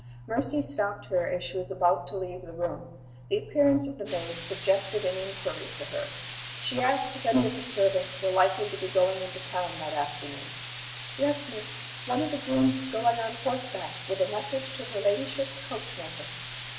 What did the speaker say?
Mercy stopped her as she was about to leave the room. The appearance of the maid suggested an inquiry to her. She asked if any of the servants were likely to be going into town that afternoon. "Yes, miss. One of the grooms is going on horseback, with a message to her ladyship's coach maker."